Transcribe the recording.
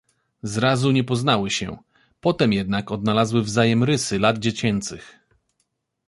Zrazu nie poznały się, potem jednak odnalazły wzajem rysy lat dziecięcych.